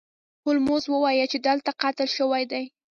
هولمز وویل چې دلته قتل شوی دی.